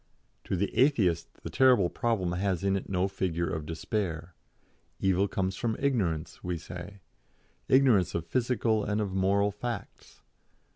To the Atheist the terrible problem has in it no figure of despair. Evil comes from ignorance, we say; ignorance of physical and of moral facts.